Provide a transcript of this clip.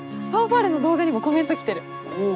ファンファーレの動画にもコメント来てる。